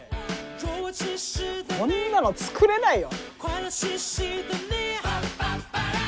こんなの作れないよ。